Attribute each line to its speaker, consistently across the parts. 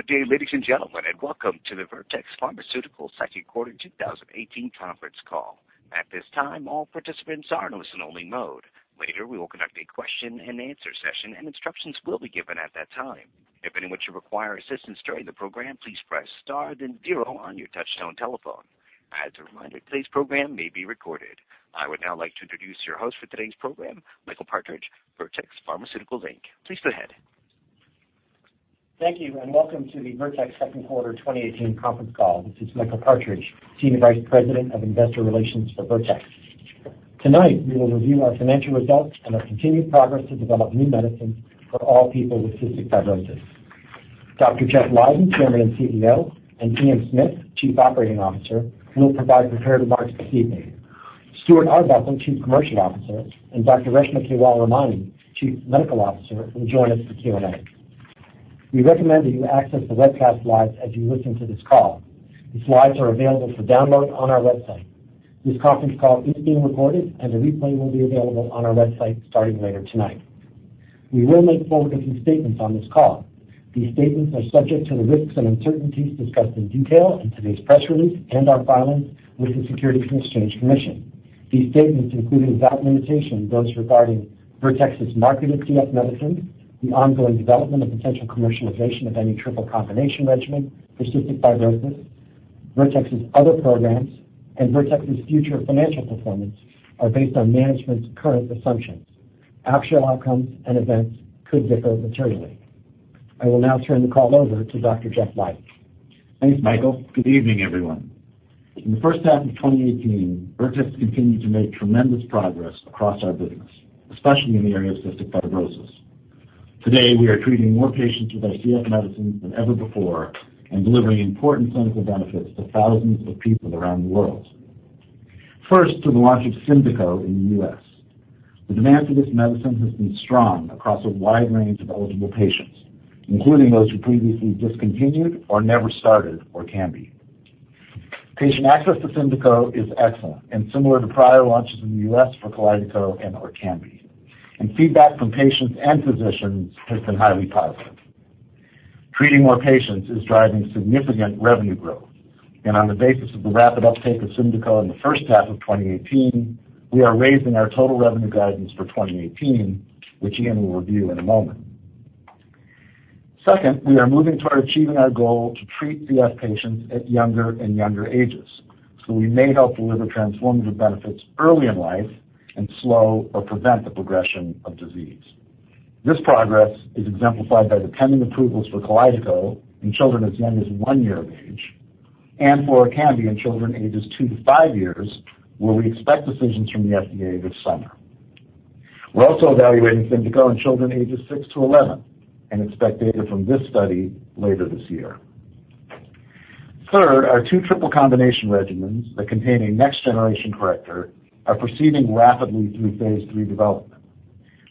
Speaker 1: Good day, ladies and gentlemen, and welcome to the Vertex Pharmaceuticals Second Quarter 2018 conference call. At this time, all participants are in listen-only mode. Later, we will conduct a question and answer session, and instructions will be given at that time. If anyone should require assistance during the program, please press star then zero on your touchtone telephone. As a reminder, today's program may be recorded. I would now like to introduce your host for today's program, Michael Partridge, Vertex Pharmaceuticals Incorporated. Please go ahead.
Speaker 2: Thank you. Welcome to the Vertex Second Quarter 2018 conference call. This is Michael Partridge, senior vice president of investor relations for Vertex. Tonight, we will review our financial results and our continued progress to develop new medicines for all people with cystic fibrosis. Dr. Jeff Leiden, Chairman and CEO, Ian Smith, Chief Operating Officer, will provide prepared remarks this evening. Stuart Arbuckle, Chief Commercial Officer, and Dr. Reshma Kewalramani, Chief Medical Officer, will join us for Q&A. We recommend that you access the webcast slides as you listen to this call. The slides are available for download on our website. This conference call is being recorded. The replay will be available on our website starting later tonight. We will make forward-looking statements on this call. These statements are subject to the risks and uncertainties discussed in detail in today's press release and our filings with the Securities and Exchange Commission. These statements, including without limitation, those regarding Vertex's marketed CF medicines, the ongoing development of potential commercialization of any triple combination regimen for cystic fibrosis, Vertex's other programs, and Vertex's future financial performance are based on management's current assumptions. Actual outcomes and events could differ materially. I will now turn the call over to Dr. Jeff Leiden.
Speaker 3: Thanks, Michael. Good evening, everyone. In the first half of 2018, Vertex continued to make tremendous progress across our business, especially in the area of cystic fibrosis. Today, we are treating more patients with our CF medicine than ever before, delivering important clinical benefits to thousands of people around the world. First, to the launch of Symdeko in the U.S. The demand for this medicine has been strong across a wide range of eligible patients, including those who previously discontinued or never started Orkambi. Patient access to Symdeko is excellent, similar to prior launches in the U.S. for Kalydeco and Orkambi. Feedback from patients and physicians has been highly positive.
Speaker 1: Treating more patients is driving significant revenue growth. On the basis of the rapid uptake of SYMDEKO in the first half of 2018, we are raising our total revenue guidance for 2018, which Ian will review in a moment. Second, we are moving toward achieving our goal to treat CF patients at younger and younger ages, so we may help deliver transformative benefits early in life and slow or prevent the progression of disease. This progress is exemplified by the pending approvals for KALYDECO in children as young as 1 year of age, and for ORKAMBI in children ages 2 to 5 years, where we expect decisions from the FDA this summer. We are also evaluating SYMDEKO in children ages 6 to 11 and expect data from this study later this year. Third, our two triple combination regimens that contain a next-generation corrector are proceeding rapidly through phase III development.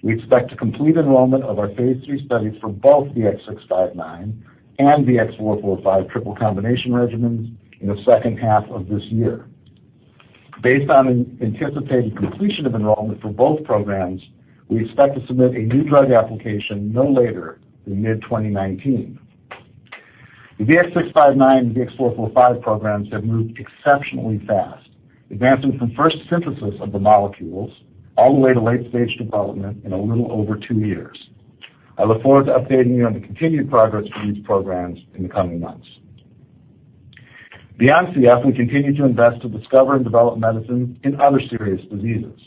Speaker 1: We expect to complete enrollment of our phase III studies for both VX-659 and VX-445 triple combination regimens in the second half of this year. Based on anticipated completion of enrollment for both programs, we expect to submit a new drug application no later than mid-2019. The VX-659 and VX-445 programs have moved exceptionally fast, advancing from first synthesis of the molecules all the way to late-stage development in a little over 2 years. I look forward to updating you on the continued progress for these programs in the coming months. Beyond CF, we continue to invest to discover and develop medicines in other serious diseases.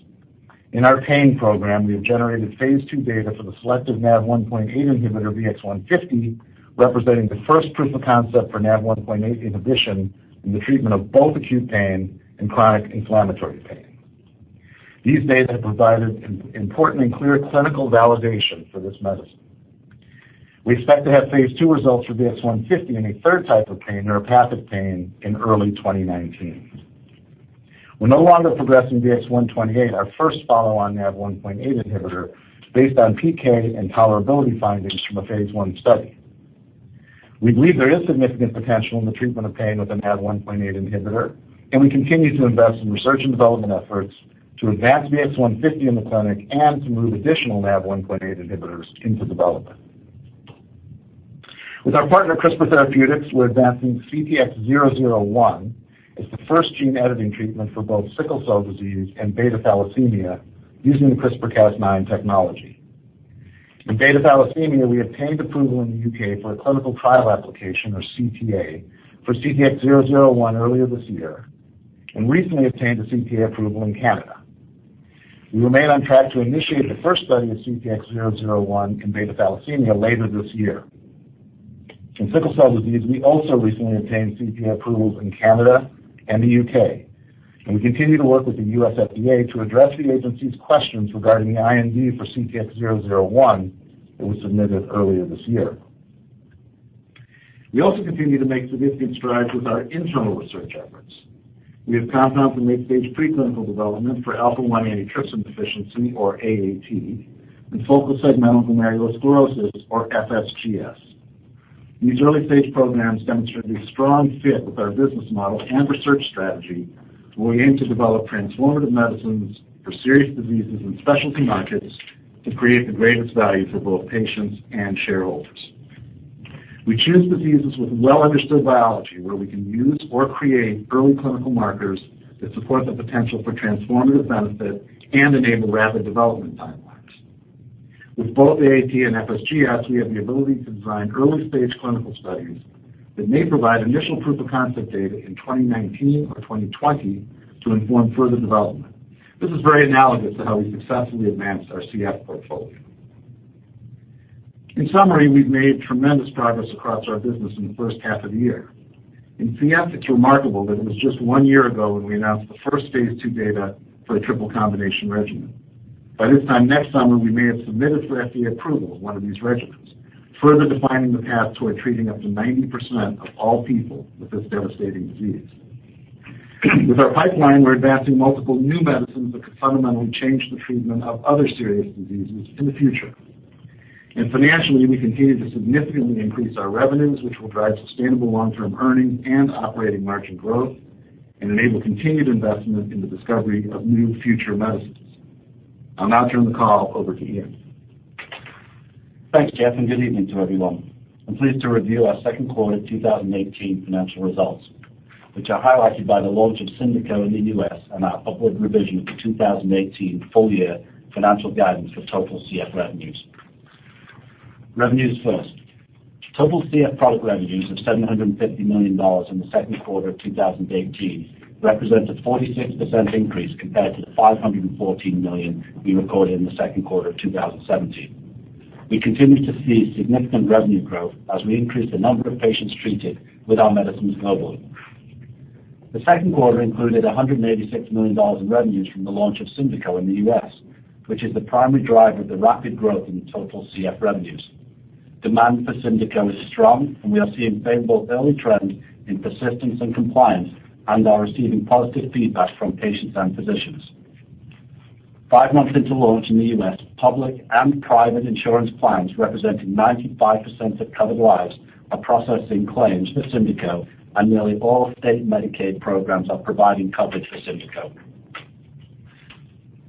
Speaker 1: In our pain program, we have generated phase II data for the selective NaV1.8 inhibitor VX-150, representing the first proof of concept for NaV1.8 inhibition in the treatment of both acute pain and chronic inflammatory pain. These data have provided important and clear clinical validation for this medicine. We expect to have phase II results for VX-150 in a type 3 pain, neuropathic pain, in early 2019. We are no longer progressing VX-128, our first follow-on NaV1.8 inhibitor based on PK and tolerability findings from a phase I study. We believe there is significant potential in the treatment of pain with a NaV1.8 inhibitor, and we continue to invest in research and development efforts to advance VX-150 in the clinic and to move additional NaV1.8 inhibitors into development. With our partner, CRISPR Therapeutics, we are advancing CTX001 as the first gene-editing treatment for both sickle cell disease and beta thalassemia using the CRISPR-Cas9 technology. In beta thalassemia, we obtained approval in the U.K. for a clinical trial application, or CTA, for CTX001 earlier this year and recently obtained a CTA approval in Canada. We remain on track to initiate the first study of CTX001 in beta thalassemia later this year. In sickle cell disease, we also recently obtained CTA approvals in Canada and the U.K., and we continue to work with the U.S. FDA to address the agency's questions regarding the IND for CTX001 that was submitted earlier this year. We also continue to make significant strides with our internal research efforts. We have compounds in late-stage preclinical development for alpha-1 antitrypsin deficiency, or AAT, and focal segmental glomerulosclerosis, or FSGS.
Speaker 3: These early-stage programs demonstrate a strong fit with our business model and research strategy, where we aim to develop transformative medicines for serious diseases in specialty markets to create the greatest value for both patients and shareholders. We choose diseases with well-understood biology, where we can use or create early clinical markers that support the potential for transformative benefit and enable rapid development timelines. With both AAT and FSGS, we have the ability to design early-stage clinical studies that may provide initial proof-of-concept data in 2019 or 2020 to inform further development. This is very analogous to how we successfully advanced our CF portfolio. In summary, we've made tremendous progress across our business in the first half of the year. In CF, it's remarkable that it was just one year ago when we announced the first phase II data for the triple combination regimen. By this time next summer, we may have submitted for FDA approval of one of these regimens, further defining the path toward treating up to 90% of all people with this devastating disease. With our pipeline, we're advancing multiple new medicines that could fundamentally change the treatment of other serious diseases in the future. Financially, we continue to significantly increase our revenues, which will drive sustainable long-term earnings and operating margin growth and enable continued investment in the discovery of new future medicines. I'll now turn the call over to Ian.
Speaker 4: Thanks, Jeff, and good evening to everyone. I'm pleased to review our second quarter 2018 financial results, which are highlighted by the launch of SYMDEKO in the U.S. and our upward revision of the 2018 full-year financial guidance for total CF revenues. Revenues first. Total CF product revenues of $750 million in the second quarter of 2018 represents a 46% increase compared to the $514 million we recorded in the second quarter of 2017. We continue to see significant revenue growth as we increase the number of patients treated with our medicines globally. The second quarter included $186 million in revenues from the launch of SYMDEKO in the U.S., which is the primary driver of the rapid growth in total CF revenues. Demand for SYMDEKO is strong, and we are seeing favorable early trends in persistence and compliance and are receiving positive feedback from patients and physicians. Five months into launch in the U.S., public and private insurance plans representing 95% of covered lives are processing claims for SYMDEKO, and nearly all state Medicaid programs are providing coverage for SYMDEKO.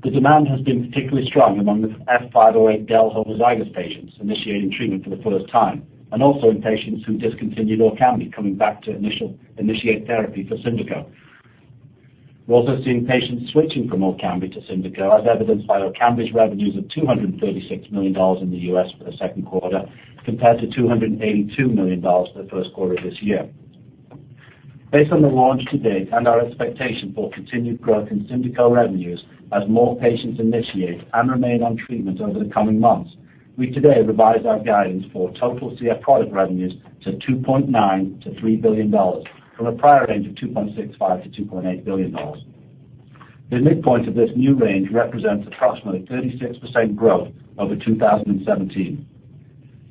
Speaker 4: The demand has been particularly strong among the F508del homozygous patients initiating treatment for the first time, and also in patients who discontinued ORKAMBI coming back to initiate therapy for SYMDEKO. We're also seeing patients switching from ORKAMBI to SYMDEKO, as evidenced by ORKAMBI's revenues of $236 million in the U.S. for the second quarter, compared to $282 million for the first quarter of this year. Based on the launch to date and our expectation for continued growth in SYMDEKO revenues as more patients initiate and remain on treatment over the coming months, we today revised our guidance for total CF product revenues to $2.9 billion-$3 billion from a prior range of $2.65 billion-$2.8 billion. The midpoint of this new range represents approximately 36% growth over 2017.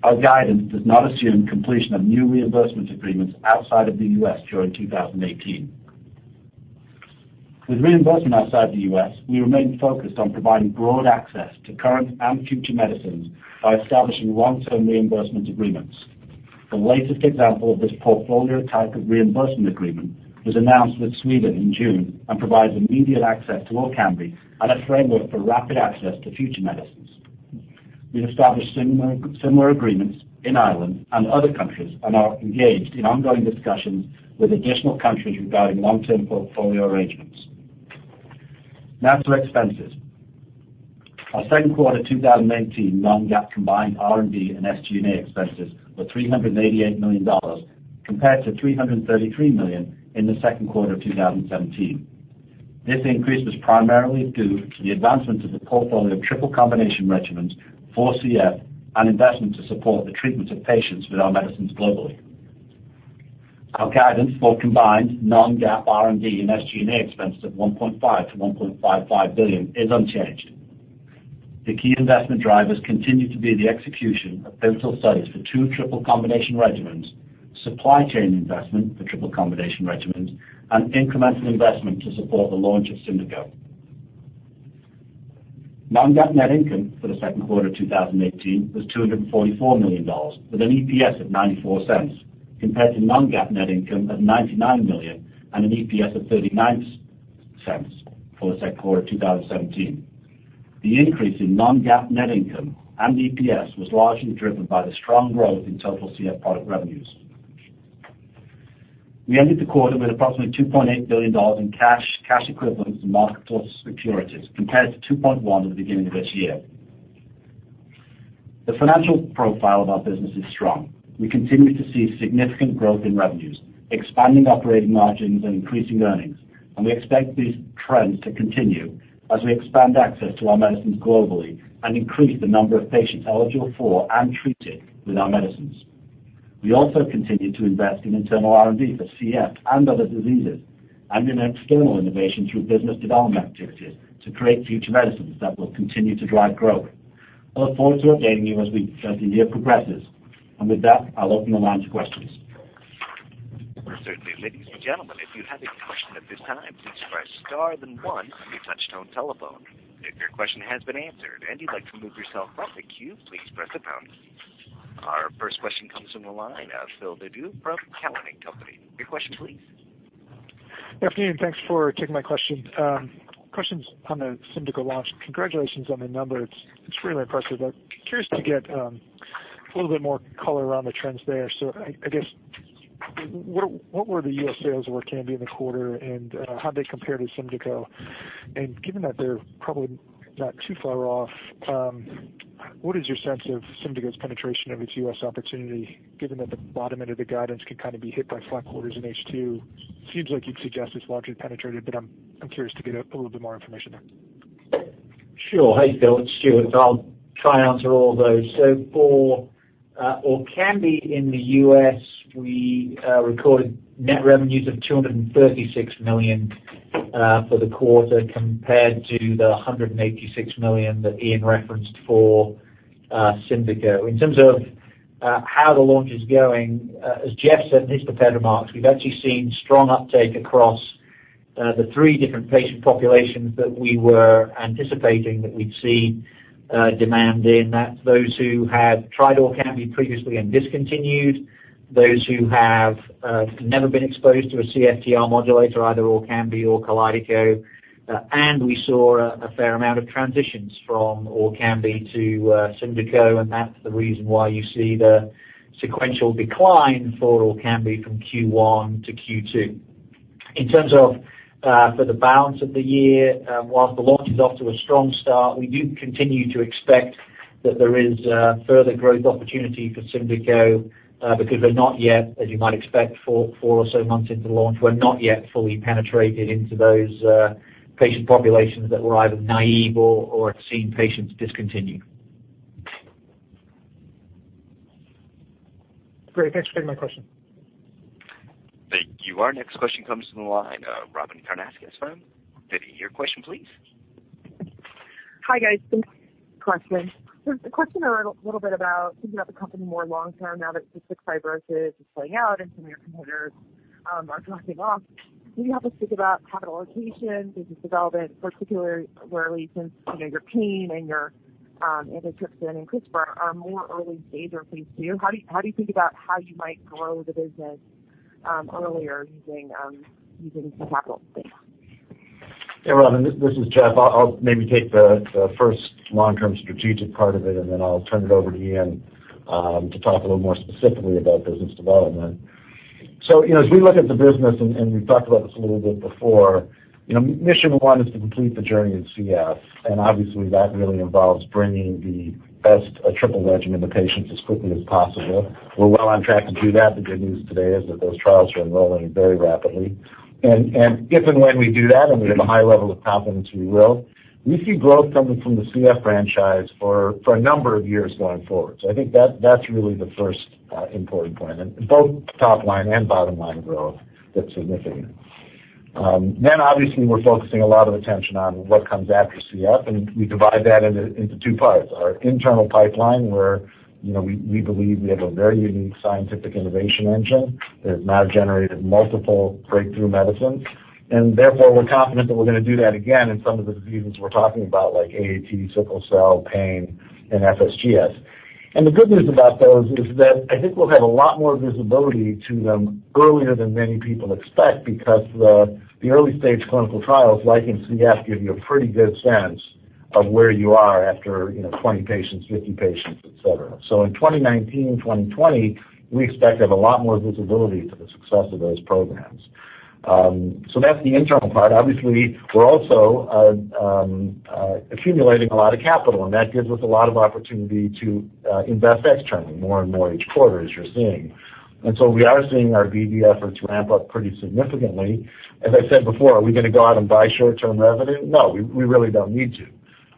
Speaker 4: Our guidance does not assume completion of new reimbursement agreements outside of the U.S. during 2018. With reimbursement outside the U.S., we remain focused on providing broad access to current and future medicines by establishing long-term reimbursement agreements. The latest example of this portfolio type of reimbursement agreement was announced with Sweden in June and provides immediate access to Orkambi and a framework for rapid access to future medicines. We've established similar agreements in Ireland and other countries and are engaged in ongoing discussions with additional countries regarding long-term portfolio arrangements. Now to expenses. Our second quarter 2018 non-GAAP combined R&D and SG&A expenses were $388 million, compared to $333 million in the second quarter of 2017. This increase was primarily due to the advancement of the portfolio triple combination regimens for CF and investment to support the treatment of patients with our medicines globally. Our guidance for combined non-GAAP R&D and SG&A expenses of $1.5 billion-$1.55 billion is unchanged. The key investment drivers continue to be the execution of pivotal studies for two triple combination regimens, supply chain investment for triple combination regimens, and incremental investment to support the launch of Symdeko. Non-GAAP net income for the second quarter 2018 was $244 million, with an EPS of $0.94, compared to non-GAAP net income of $99 million and an EPS of $0.39 for the second quarter 2017. The increase in non-GAAP net income and EPS was largely driven by the strong growth in total CF product revenues. We ended the quarter with approximately $2.8 billion in cash equivalents, and marketable securities, compared to $2.1 billion at the beginning of this year. The financial profile of our business is strong. We continue to see significant growth in revenues, expanding operating margins, and increasing earnings. We expect these trends to continue as we expand access to our medicines globally and increase the number of patients eligible for and treated with our medicines. We also continue to invest in internal R&D for CF and other diseases and in external innovation through business development activities to create future medicines that will continue to drive growth. I look forward to updating you as the year progresses. With that, I'll open the line to questions.
Speaker 1: Gentlemen, if you have a question at this time, please press star then one on your touchtone telephone. If your question has been answered and you'd like to move yourself off the queue, please press the pound. Our first question comes from the line of Phil Nadeau from Cowen and Company. Your question please.
Speaker 5: Good afternoon. Thanks for taking my question. Question's on the SYMDEKO launch. Congratulations on the numbers. It's really impressive, but curious to get a little bit more color around the trends there. I guess, what were the U.S. sales of ORKAMBI in the quarter, and how'd they compare to SYMDEKO? Given that they're probably not too far off, what is your sense of SYMDEKO's penetration of its U.S. opportunity, given that the bottom end of the guidance can kind of be hit by flat quarters in H2? Seems like you'd suggest it's largely penetrated, I'm curious to get a little bit more information there.
Speaker 6: Sure. Hey, Phil, it's Stuart. I'll try and answer all those. For ORKAMBI in the U.S., we recorded net revenues of $236 million for the quarter, compared to the $186 million that Ian referenced for SYMDEKO. In terms of how the launch is going, as Jeff said in his prepared remarks, we've actually seen strong uptake across the three different patient populations that we were anticipating that we'd see demand in. That's those who had tried ORKAMBI previously and discontinued, those who have never been exposed to a CFTR modulator, either ORKAMBI or KALYDECO, we saw a fair amount of transitions from ORKAMBI to SYMDEKO, that's the reason why you see the sequential decline for ORKAMBI from Q1 to Q2. In terms of for the balance of the year, whilst the launch is off to a strong start, we do continue to expect that there is further growth opportunity for SYMDEKO, they're not yet, as you might expect four or so months into launch, we're not yet fully penetrated into those patient populations that were either naive or had seen patients discontinue.
Speaker 5: Great. Thanks for taking my question.
Speaker 1: Thank you. Our next question comes from the line of Robyn Karnauskas from BofA. Your question please.
Speaker 7: Hi, guys. Thanks for taking my question. A question a little bit about thinking about the company more long term now that cystic fibrosis is playing out and some of your competitors are dropping off. Can you help us think about capital allocation, business development, particularly since your pain and your antitrypsin and CRISPR are more early stage relative to you? How do you think about how you might grow the business earlier using some capital? Thanks.
Speaker 3: Hey, Robyn, this is Jeff. I'll maybe take the first long-term strategic part of it, and then I'll turn it over to Ian to talk a little more specifically about business development. As we look at the business, and we've talked about this a little bit before, mission one is to complete the journey in CF, and obviously that really involves bringing the best triple regimen to patients as quickly as possible. We're well on track to do that. The good news today is that those trials are enrolling very rapidly. If and when we do that, and we have a high level of confidence we will, we see growth coming from the CF franchise for a number of years going forward. I think that's really the first important point, and both top line and bottom line growth that's significant. Obviously, we're focusing a lot of attention on what comes after CF, and we divide that into two parts. Our internal pipeline, where we believe we have a very unique scientific innovation engine that has now generated multiple breakthrough medicines. Therefore, we're confident that we're going to do that again in some of the diseases we're talking about, like AAT, sickle cell, pain, and FSGS. The good news about those is that I think we'll have a lot more visibility to them earlier than many people expect because the early-stage clinical trials, like in CF, give you a pretty good sense of where you are after 20 patients, 50 patients, et cetera. In 2019 and 2020, we expect to have a lot more visibility to the success of those programs. That's the internal part. Obviously, we're also accumulating a lot of capital. That gives us a lot of opportunity to invest externally more and more each quarter, as you're seeing. We are seeing our BD efforts ramp up pretty significantly. As I said before, are we going to go out and buy short-term revenue? No, we really don't need to,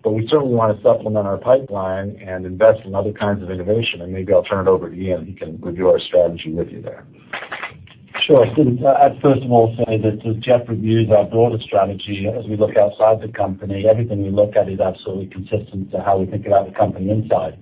Speaker 3: but we certainly want to supplement our pipeline and invest in other kinds of innovation. Maybe I'll turn it over to Ian, who can review our strategy with you there.
Speaker 4: Sure. I'd first of all say that as Jeff reviewed our broader strategy, as we look outside the company, everything we look at is absolutely consistent to how we think about the company inside.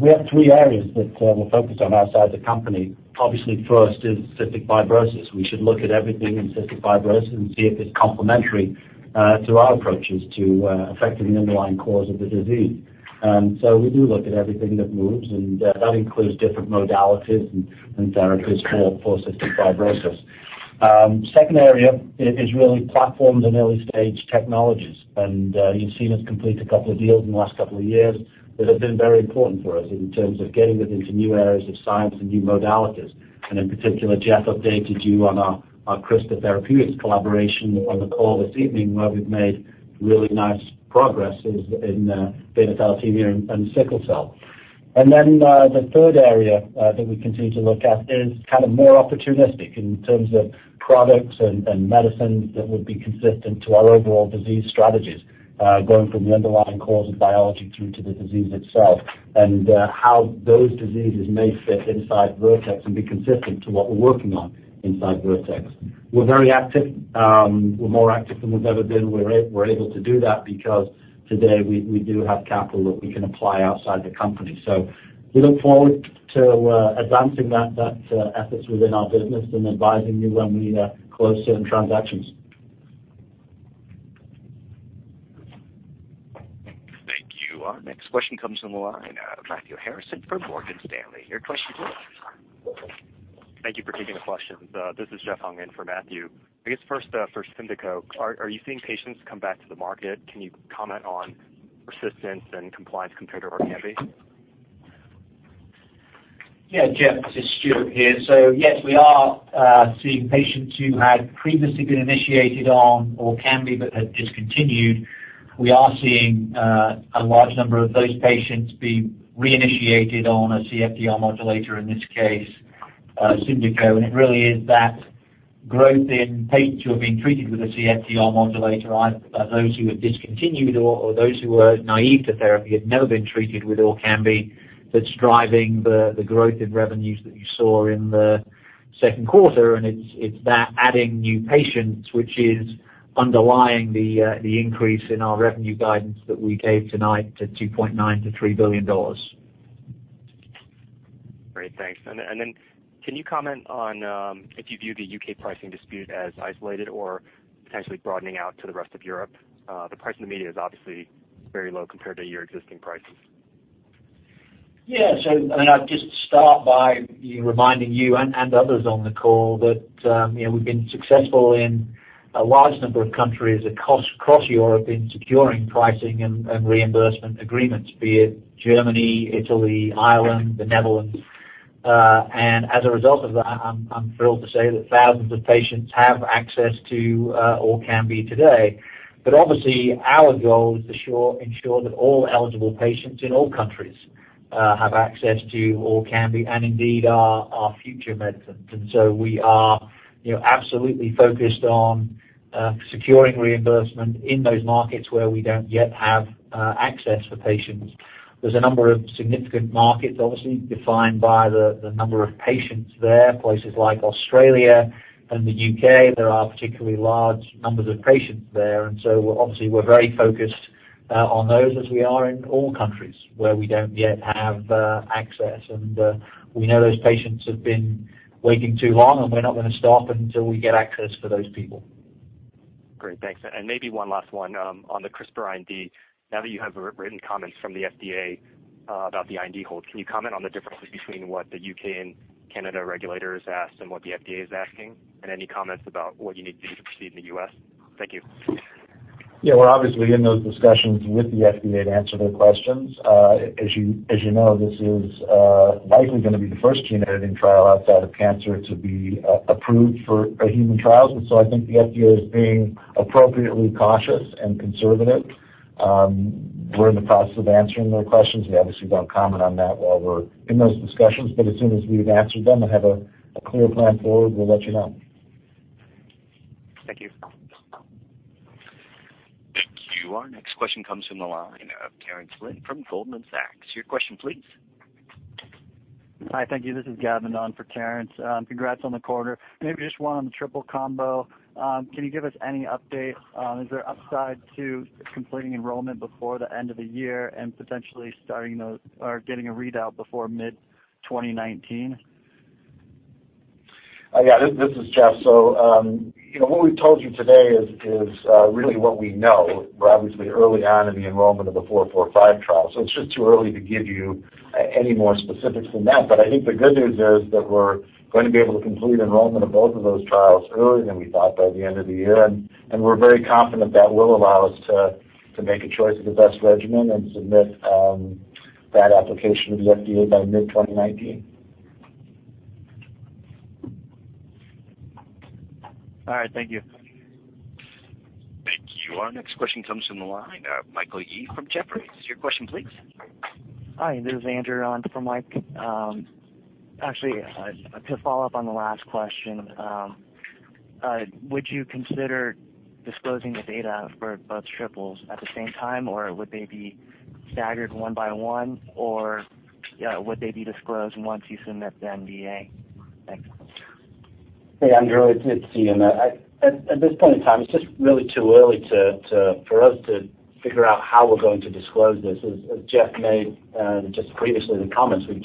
Speaker 4: We have three areas that we're focused on outside the company. Obviously, first is cystic fibrosis. We should look at everything in cystic fibrosis and see if it's complementary to our approaches to affecting the underlying cause of the disease. We do look at everything that moves, and that includes different modalities and therapies for cystic fibrosis. Second area is really platforms and early-stage technologies. You've seen us complete a couple of deals in the last couple of years that have been very important for us in terms of getting us into new areas of science and new modalities. In particular, Jeff updated you on our CRISPR Therapeutics collaboration on the call this evening, where we've made really nice progress in beta thalassemia and sickle cell. The third area that we continue to look at is more opportunistic in terms of products and medicines that would be consistent to our overall disease strategies, going from the underlying cause of biology through to the disease itself, and how those diseases may fit inside Vertex and be consistent to what we're working on inside Vertex. We're very active. We're more active than we've ever been. We're able to do that because today we do have capital that we can apply outside the company. We look forward to advancing that efforts within our business and advising you when we close certain transactions.
Speaker 1: Thank you. Our next question comes from the line of Matthew Harrison from Morgan Stanley. Your question, please.
Speaker 8: Thank you for taking the questions. This is Jeff Hong in for Matthew. I guess first for SYMDEKO, are you seeing patients come back to the market? Can you comment on persistence and compliance compared to ORKAMBI?
Speaker 6: Yeah, Jeff, this is Stuart here. Yes, we are seeing patients who had previously been initiated on ORKAMBI but had discontinued. We are seeing a large number of those patients being reinitiated on a CFTR modulator, in this case, SYMDEKO. It really is that growth in patients who are being treated with a CFTR modulator, either those who had discontinued or those who were naive to therapy, had never been treated with ORKAMBI, that's driving the growth in revenues that you saw in the second quarter. It's that adding new patients, which is underlying the increase in our revenue guidance that we gave tonight to $2.9 billion-$3 billion.
Speaker 8: Great. Thanks. Can you comment on if you view the U.K. pricing dispute as isolated or potentially broadening out to the rest of Europe? The price in the media is obviously very low compared to your existing prices.
Speaker 6: Yeah. I'll just start by reminding you and others on the call that we've been successful in a large number of countries across Europe in securing pricing and reimbursement agreements, be it Germany, Italy, Ireland, Netherlands. As a result of that, I'm thrilled to say that thousands of patients have access to ORKAMBI today. Obviously, our goal is to ensure that all eligible patients in all countries have access to ORKAMBI and indeed our future medicines. We are absolutely focused on securing reimbursement in those markets where we don't yet have access for patients. There's a number of significant markets, obviously defined by the number of patients there. Places like Australia and the U.K., there are particularly large numbers of patients there, obviously we're very focused on those as we are in all countries where we don't yet have access. We know those patients have been waiting too long, and we're not going to stop until we get access for those people.
Speaker 8: Great. Thanks. Maybe one last one on the CRISPR IND. Now that you have written comments from the FDA about the IND hold, can you comment on the differences between what the U.K. and Canada regulators asked and what the FDA is asking? Any comments about what you need to do to proceed in the U.S. Thank you.
Speaker 3: Yeah, we're obviously in those discussions with the FDA to answer their questions. As you know, this is likely going to be the first gene-editing trial outside of cancer to be approved for human trials. I think the FDA is being appropriately cautious and conservative. We're in the process of answering their questions. We obviously don't comment on that while we're in those discussions, but as soon as we've answered them and have a clear plan forward, we'll let you know.
Speaker 8: Thank you.
Speaker 1: Thank you. Our next question comes from the line of Terence Flynn from Goldman Sachs. Your question please.
Speaker 9: Hi, thank you. This is Gavin on for Terence. Congrats on the quarter. Maybe just one on the triple combo. Can you give us any update? Is there upside to completing enrollment before the end of the year and potentially starting those or getting a readout before mid-2019?
Speaker 3: Yeah, this is Jeff. What we've told you today is really what we know. We're obviously early on in the enrollment of the 445 trial, so it's just too early to give you any more specifics than that. I think the good news is that we're going to be able to complete enrollment of both of those trials earlier than we thought by the end of the year. We're very confident that will allow us to make a choice of the best regimen and submit that application to the FDA by mid-2019.
Speaker 9: All right. Thank you.
Speaker 1: Thank you. Our next question comes from the line of Michael Yee from Jefferies. Your question, please.
Speaker 10: Hi, this is Andrew on for Mike. Actually, to follow up on the last question, would you consider disclosing the data for both triples at the same time, or would they be staggered one by one, or would they be disclosed once you submit the NDA? Thanks.
Speaker 4: Hey, Andrew, it's Ian. At this point in time, it's just really too early for us to figure out how we're going to disclose this. As Jeff made just previously in the comments, we've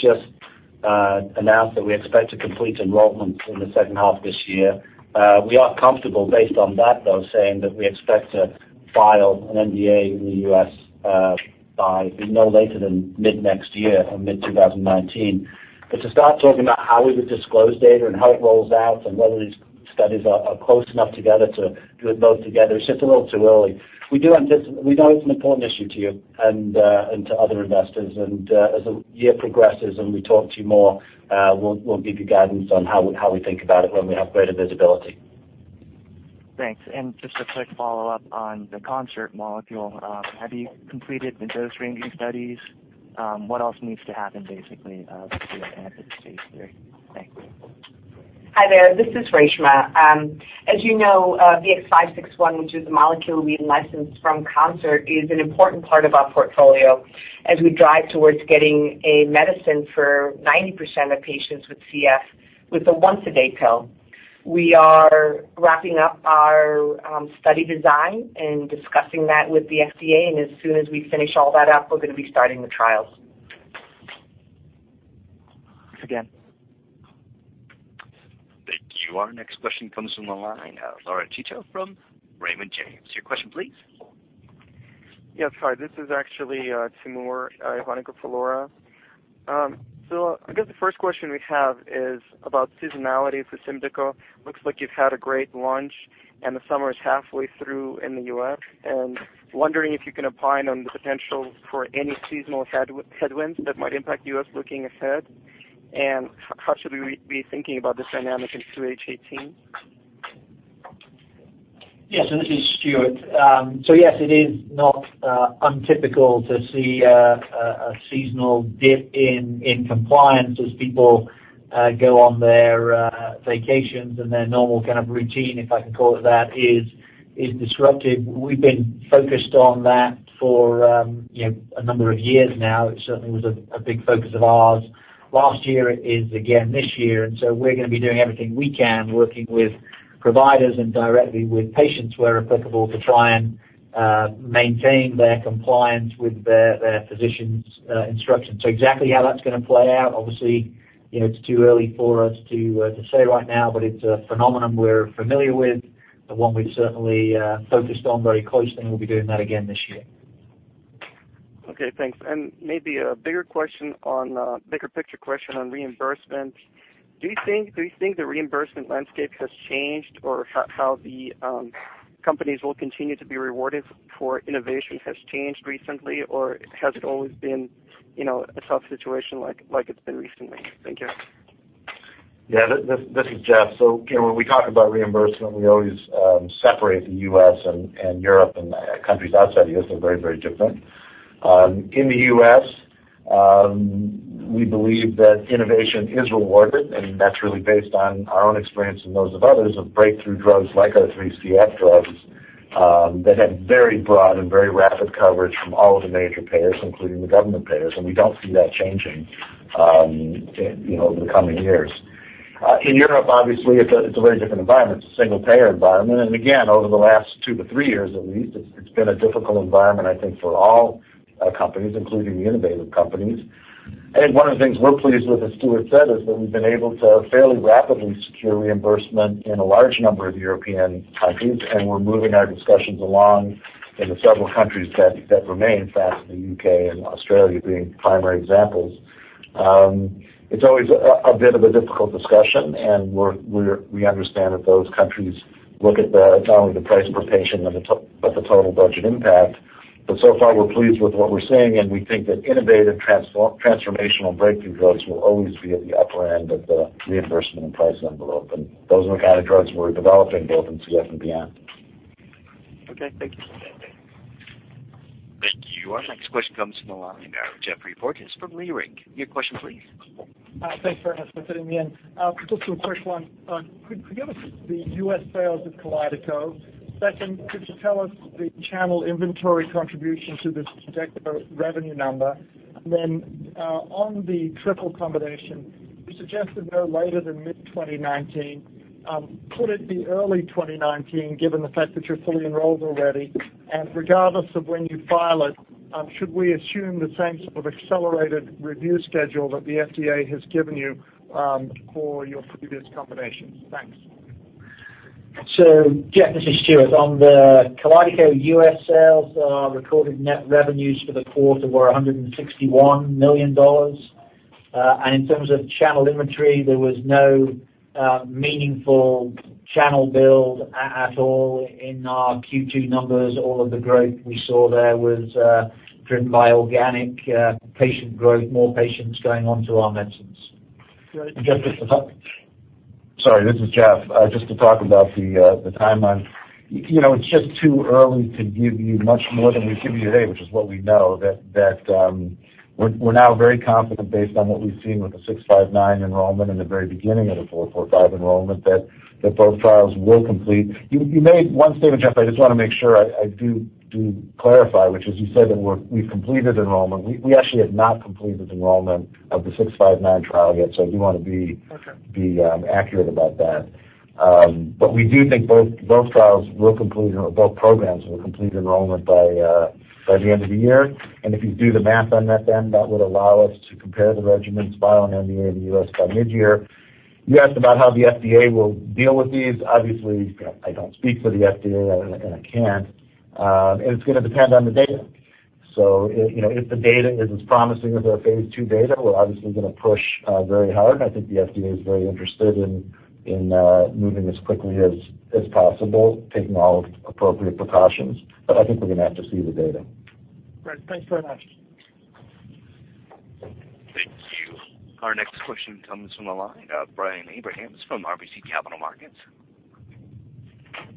Speaker 4: just announced that we expect to complete enrollment in the second half of this year. We are comfortable based on that, though, saying that we expect to file an NDA in the U.S. by no later than mid-next year or mid-2019. To start talking about how we would disclose data and how it rolls out and whether these studies are close enough together to do them both together, it's just a little too early. We know it's an important issue to you and to other investors. As the year progresses and we talk to you more, we'll give you guidance on how we think about it when we have greater visibility.
Speaker 10: Thanks. Just a quick follow-up on the Concert molecule. Have you completed the dose ranging studies? What else needs to happen basically to be able to enter the phase III? Thank you.
Speaker 11: Hi there. This is Reshma. As you know VX-561, which is the molecule we licensed from Concert, is an important part of our portfolio as we drive towards getting a medicine for 90% of patients with CF with a once-a-day pill. We are wrapping up our study design and discussing that with the FDA, as soon as we finish all that up, we're going to be starting the trials.
Speaker 10: Thanks again.
Speaker 1: Thank you. Our next question comes from the line. Laura Chico from Raymond James. Your question please?
Speaker 12: Yeah. Hi, this is actually Timur. I have one for Laura. I guess the first question we have is about seasonality for SYMDEKO. Looks like you've had a great launch and the summer is halfway through in the U.S., wondering if you can opine on the potential for any seasonal headwinds that might impact you looking ahead. How should we be thinking about this dynamic in 2H 2018?
Speaker 6: Yes, this is Stuart. Yes, it is not untypical to see a seasonal dip in compliance as people go on their vacations and their normal kind of routine, if I can call it that, is disrupted. We've been focused on that for a number of years now. It certainly was a big focus of ours last year. It is again this year, and we're going to be doing everything we can, working with providers and directly with patients where applicable, to try and maintain their compliance with their physician's instructions. Exactly how that's going to play out, obviously, it's too early for us to say right now, but it's a phenomenon we're familiar with and one we've certainly focused on very closely, and we'll be doing that again this year.
Speaker 12: Okay, thanks. Maybe a bigger picture question on reimbursement. Do you think the reimbursement landscape has changed, or how the companies will continue to be rewarded for innovation has changed recently, or has it always been a tough situation like it's been recently? Thank you.
Speaker 3: Yeah. This is Jeff. When we talk about reimbursement, we always separate the U.S. and Europe and countries outside the U.S. are very different. In the U.S., we believe that innovation is rewarded, and that's really based on our own experience and those of others of breakthrough drugs like our three CF drugs, that had very broad and very rapid coverage from all of the major payers, including the government payers. We don't see that changing over the coming years. In Europe, obviously, it's a very different environment. It's a single-payer environment. Again, over the last two to three years at least, it's been a difficult environment, I think, for all companies, including the innovative companies. I think one of the things we're pleased with, as Stuart said, is that we've been able to fairly rapidly secure reimbursement in a large number of European countries, and we're moving our discussions along in the several countries that remain. France, the U.K., and Australia being primary examples. It's always a bit of a difficult discussion, and we understand that those countries look at not only the price per patient but the total budget impact. So far, we're pleased with what we're seeing, and we think that innovative, transformational breakthrough drugs will always be at the upper end of the reimbursement and price envelope. Those are the kind of drugs we're developing both in CF and PN.
Speaker 12: Okay, thank you.
Speaker 1: Thank you. Our next question comes from the line. Geoffrey Porges from Leerink. Your question please?
Speaker 13: Thanks very much for fitting me in. Just two quick ones. Could you give us the U.S. sales of KALYDECO? Second, could you tell us the channel inventory contribution to this projected revenue number? On the triple combination, you suggested no later than mid-2019. Could it be early 2019, given the fact that you're fully enrolled already? Regardless of when you file it, should we assume the same sort of accelerated review schedule that the FDA has given you for your previous combinations? Thanks.
Speaker 6: Geoff, this is Stuart. On the KALYDECO U.S. sales, our recorded net revenues for the quarter were $161 million. In terms of channel inventory, there was no meaningful channel build at all in our Q2 numbers. All of the growth we saw there was driven by organic patient growth, more patients going onto our medicines.
Speaker 3: Sorry, this is Jeff. To talk about the timeline. It's just too early to give you much more than we give you today, which is what we know. We're now very confident based on what we've seen with the VX-659 enrollment and the very beginning of the VX-445 enrollment, that both trials will complete. You made one statement, Geoff, I just want to make sure I do clarify, which is you said that we've completed enrollment. We actually have not completed enrollment of the VX-659 trial yet, so I do want to be-
Speaker 13: Okay
Speaker 3: accurate about that. We do think both programs will complete enrollment by the end of the year. If you do the math on that would allow us to compare the regimens filing NDA in the U.S. by mid-year. You asked about how the FDA will deal with these. Obviously, I don't speak for the FDA, and I can't. It's going to depend on the data. If the data is as promising as our phase II data, we're obviously going to push very hard. I think the FDA is very interested in moving as quickly as possible, taking all appropriate precautions. I think we're going to have to see the data.
Speaker 13: Great. Thanks very much.
Speaker 1: Thank you. Our next question comes from the line of Brian Abrahams from RBC Capital Markets.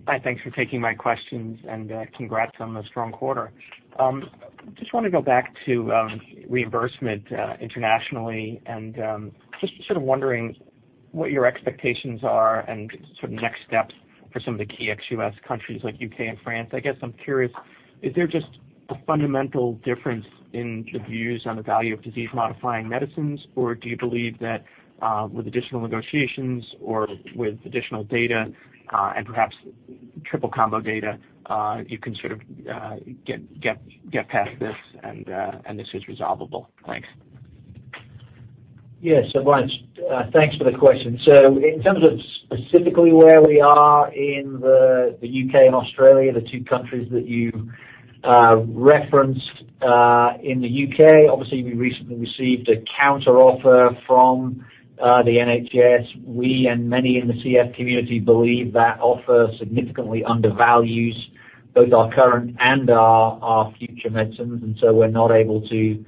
Speaker 14: Hi, thanks for taking my questions and congrats on the strong quarter. Just want to go back to reimbursement internationally and just sort of wondering what your expectations are and sort of next steps for some of the key ex-U.S. countries like U.K. and France. I guess I'm curious, is there just a fundamental difference in the views on the value of disease-modifying medicines, or do you believe that with additional negotiations or with additional data and perhaps triple combo data, you can sort of get past this and this is resolvable? Thanks.
Speaker 6: Yes, so much. Thanks for the question. In terms of specifically where we are in the U.K. and Australia, the two countries that you referenced. In the U.K., obviously, we recently received a counteroffer from the NHS. We and many in the CF community believe that offer significantly undervalues both our current and our future medicines, so we're not able to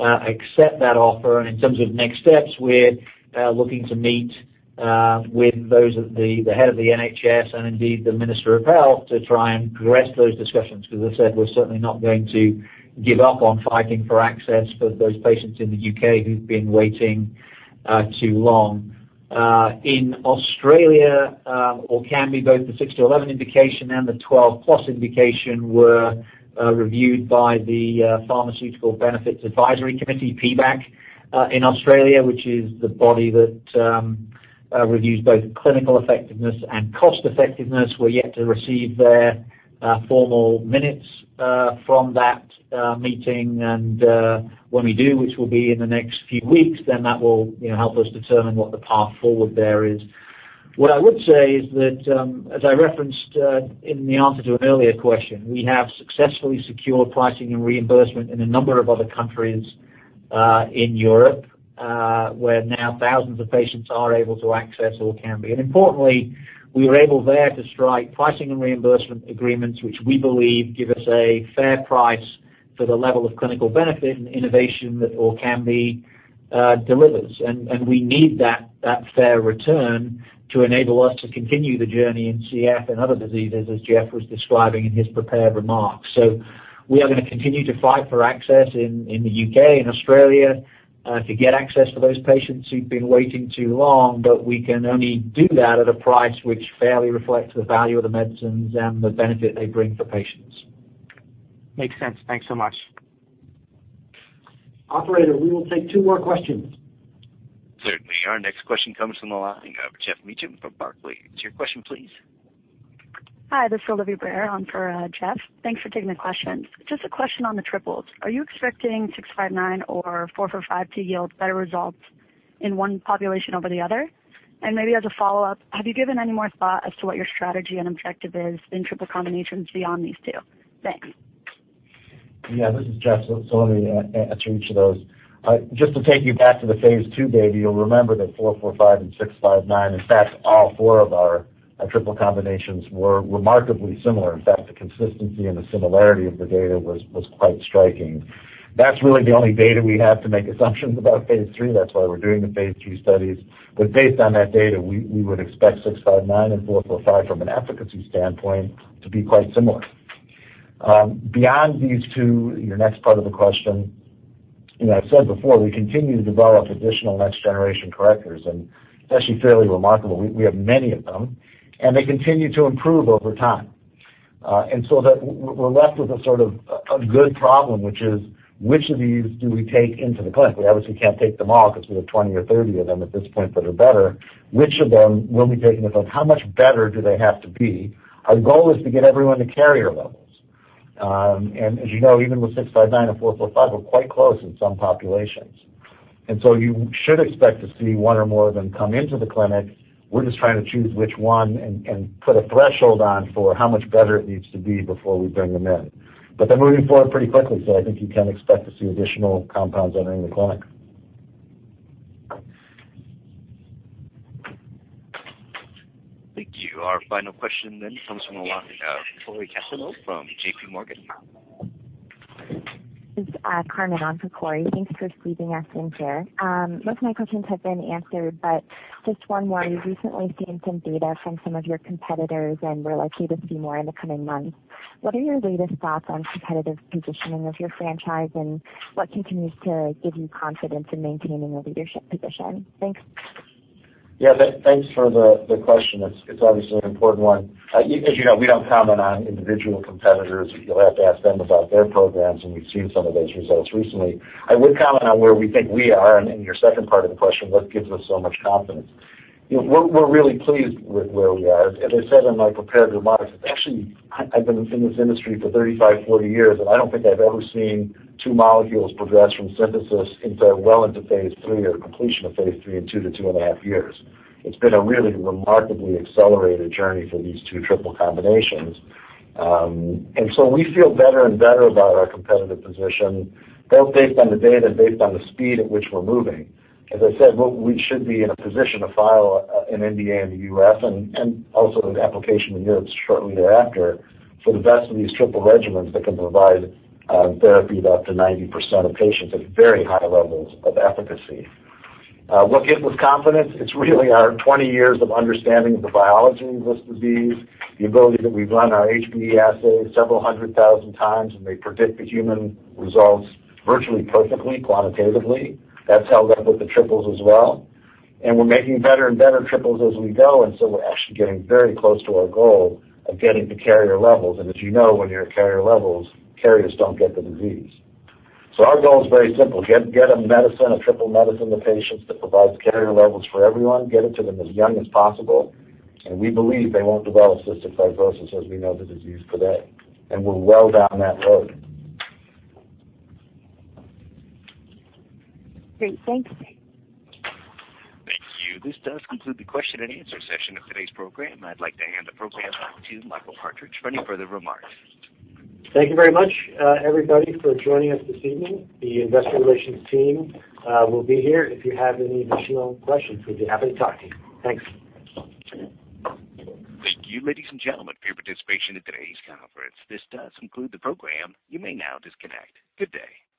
Speaker 6: accept that offer. In terms of next steps, we're looking to meet with the head of the NHS and indeed the Minister of Health to try and progress those discussions, because as I said, we're certainly not going to give up on fighting for access for those patients in the U.K. who've been waiting too long. In Australia, Orkambi, both the 6 to 11 indication and the 12 plus indication were reviewed by the Pharmaceutical Benefits Advisory Committee, PBAC, in Australia, which is the body that reviews both clinical effectiveness and cost-effectiveness. We're yet to receive their formal minutes from that meeting. When we do, which will be in the next few weeks, that will help us determine what the path forward there is. What I would say is that, as I referenced in the answer to an earlier question, we have successfully secured pricing and reimbursement in a number of other countries in Europe, where now thousands of patients are able to access Orkambi. Importantly, we were able there to strike pricing and reimbursement agreements, which we believe give us a fair price for the level of clinical benefit and innovation that Orkambi delivers. We need that fair return to enable us to continue the journey in CF and other diseases, as Jeff was describing in his prepared remarks. We are going to continue to fight for access in the U.K. and Australia to get access for those patients who've been waiting too long, but we can only do that at a price which fairly reflects the value of the medicines and the benefit they bring for patients.
Speaker 14: Makes sense. Thanks so much.
Speaker 2: Operator, we will take two more questions.
Speaker 1: Certainly. Our next question comes from the line of Jeff Meacham from Barclays. Your question, please.
Speaker 15: Hi, this is Olivia Brare on for Jeff. Thanks for taking the question. Just a question on the triples. Are you expecting six-five-nine or four-four-five to yield better results in one population over the other? Maybe as a follow-up, have you given any more thought as to what your strategy and objective is in triple combinations beyond these two? Thanks.
Speaker 3: This is Jeff. Let me answer each of those. Just to take you back to the phase II data, you'll remember that four-four-five and six-five-nine, in fact, all four of our triple combinations were remarkably similar. In fact, the consistency and the similarity of the data was quite striking. That's really the only data we have to make assumptions about phase III. That's why we're doing the phase II studies. Based on that data, we would expect six-five-nine and four-four-five from an efficacy standpoint to be quite similar. Beyond these two, your next part of the question, I've said before, we continue to develop additional next-generation correctors, and it's actually fairly remarkable. We have many of them, and they continue to improve over time. That we're left with a sort of a good problem, which is, which of these do we take into the clinic? We obviously can't take them all because we have 20 or 30 of them at this point that are better. Which of them will be taken to the clinic? How much better do they have to be? Our goal is to get everyone to carrier levels. As you know, even with six-five-nine and four-four-five, we're quite close in some populations. You should expect to see one or more of them come into the clinic. We're just trying to choose which one and put a threshold on for how much better it needs to be before we bring them in. They're moving forward pretty quickly, so I think you can expect to see additional compounds entering the clinic.
Speaker 1: Thank you. Our final question then comes from the line of Cory Kasimov from JPMorgan.
Speaker 16: This is Carmen on for Cory. Thanks for squeezing us in, Jeff. Most of my questions have been answered, just one more. We've recently seen some data from some of your competitors, we're likely to see more in the coming months. What are your latest thoughts on competitive positioning of your franchise, what continues to give you confidence in maintaining a leadership position? Thanks.
Speaker 3: Yeah, thanks for the question. It's obviously an important one. As you know, we don't comment on individual competitors. You'll have to ask them about their programs, and we've seen some of those results recently. I would comment on where we think we are and your second part of the question, what gives us so much confidence. We're really pleased with where we are. As I said in my prepared remarks, actually, I've been in this industry for 35, 40 years, and I don't think I've ever seen two molecules progress from synthesis into well into phase III or completion of phase III in two to two and a half years. It's been a really remarkably accelerated journey for these two triple combinations. We feel better and better about our competitive position, both based on the data, based on the speed at which we're moving. As I said, we should be in a position to file an NDA in the U.S. and also an application in Europe shortly thereafter for the best of these triple regimens that can provide therapy to up to 90% of patients at very high levels of efficacy. What gives us confidence? It's really our 20 years of understanding of the biology of this disease, the ability that we've run our HBE assays several hundred thousand times, and they predict the human results virtually perfectly quantitatively. That's held up with the triples as well. We're making better and better triples as we go, and so we're actually getting very close to our goal of getting to carrier levels. As you know, when you're at carrier levels, carriers don't get the disease. Our goal is very simple. Get a medicine, a triple medicine to patients that provides carrier levels for everyone, get it to them as young as possible, and we believe they won't develop cystic fibrosis as we know the disease today, and we're well down that road.
Speaker 16: Great. Thanks.
Speaker 1: Thank you. This does conclude the question and answer session of today's program. I'd like to hand the program back to Michael Partridge for any further remarks.
Speaker 2: Thank you very much, everybody, for joining us this evening. The investor relations team will be here if you have any additional questions. We'd be happy to talk to you. Thanks.
Speaker 1: Thank you, ladies and gentlemen, for your participation in today's conference. This does conclude the program. You may now disconnect. Good day.